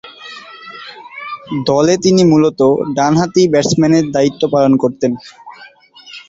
দলে তিনি মূলতঃ ডানহাতি ব্যাটসম্যানের দায়িত্ব পালন করতেন।